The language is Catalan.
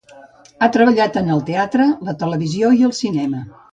Ha treballat en el teatre, la televisió i el cinema.